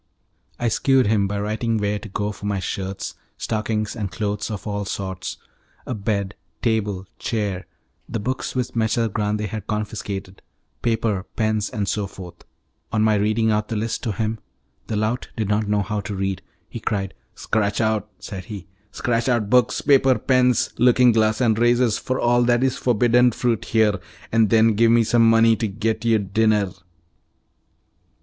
I shewed him by writing where to go for my shirts, stockings, and clothes of all sorts, a bed, table, chair, the books which Messer Grande had confiscated, paper, pens, and so forth. On my reading out the list to him (the lout did not know how to read) he cried, "Scratch out," said he, "scratch out books, paper, pens, looking glass and razors, for all that is forbidden fruit here, and then give me some money to get your dinner."